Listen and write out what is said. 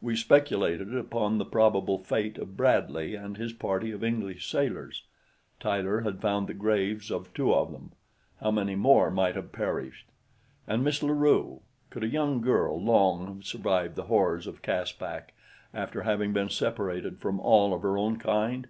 We speculated upon the probable fate of Bradley and his party of English sailors. Tyler had found the graves of two of them; how many more might have perished! And Miss La Rue could a young girl long have survived the horrors of Caspak after having been separated from all of her own kind?